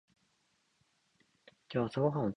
今日朝ごはんを食べました。